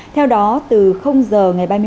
theo đó từ giờ ngày ba